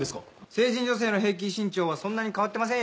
成人女性の平均身長はそんなに変わってませんよ。